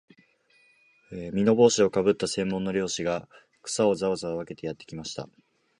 簔帽子をかぶった専門の猟師が、草をざわざわ分けてやってきました